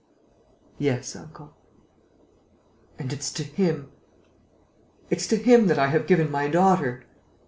"Yes, uncle." "And it's to him ... it's to him that I have given my daughter!"